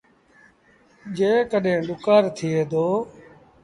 جيڪڏهيݩ ڏُڪآر ٿئي دو۔